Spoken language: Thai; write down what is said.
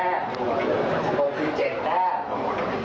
และก็๖๗